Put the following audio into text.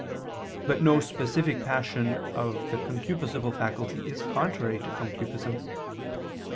4). But no specific passion of the concupiscible faculty is contrary to concupiscence.